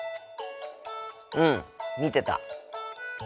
うん見てた。